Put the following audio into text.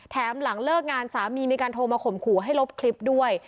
หลังเลิกงานสามีมีการโทรมาข่มขู่ให้ลบคลิปด้วย